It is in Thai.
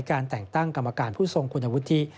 การแต่งตั้งกรรมการผู้ทรงคุณวุฒิ